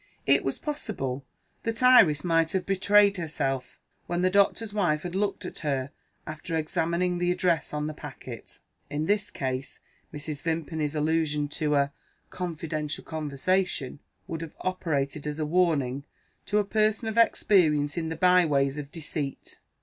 It was possible that Iris might have betrayed herself, when the doctor's wife had looked at her after examining the address on the packet. In this case Mrs. Vimpany's allusion to "a confidential conversation" would have operated as a warning to a person of experience in the by ways of deceit.